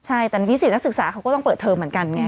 ใช่แต่นิสิตนักศึกษาเขาก็ต้องเปิดเทอมเหมือนกันไง